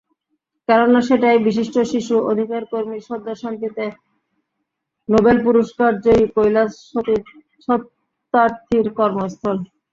কেননা সেটাই বিশিষ্ট শিশু অধিকারকর্মী সদ্য শান্তিতে নোবেল পুরস্কারজয়ী কৈলাস সত্যার্থীর কর্মস্থল।